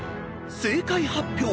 ［正解発表。